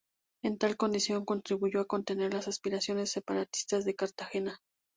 En tal condición contribuyó a contener las aspiraciones separatistas de Cartagena.